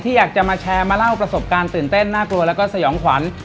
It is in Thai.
อยากจะมาแชร์มาเล่าประสบการณ์ตื่นเต้นน่ากลัวแล้วก็สยองขวัญ